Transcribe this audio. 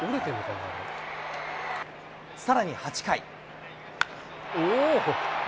さらに８回。